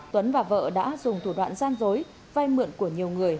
tuấn và vợ đã dùng thủ đoạn gian dối vay mượn của nhiều người